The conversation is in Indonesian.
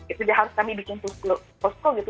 itu sudah harus kami bikin bospo gitu